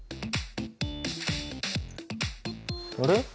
あれ？